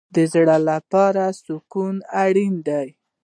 د زړه لپاره سکون اړین دی